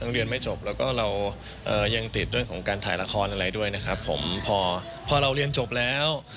เรียนไม่จบแล้วก็เรายังติดเรื่องของการถ่ายละครอะไรด้วยนะครับผมพอพอเราเรียนจบแล้ว